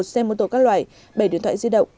một mươi một xe mô tổ các loại bảy điện thoại di động